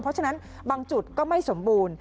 เพราะฉะนั้นบางจุดก็ไม่สมบูรณ์